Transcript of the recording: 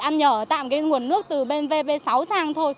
ăn nhở tạm cái nguồn nước từ bên vp sáu sang thôi